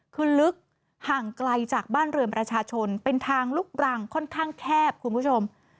คือลึกห่างไกลจากบ้านเรือนประชาชนเป็นทางลุกรังค่อนข้างแคบคุณผู้ชม